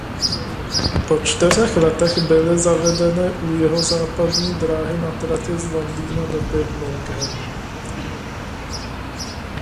Po čtyřech letech byly zavedeny u Jihozápadní dráhy na trati z Londýna do Birminghamu.